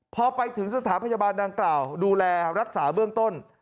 พอไปถึงสถานพยาบาลดังกล่าวดูแลรักษาเบื้องต้น